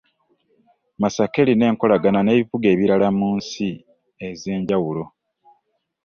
Masaka erina enkolagana n’ebibuga ebirala mu nsi ez’enjawulo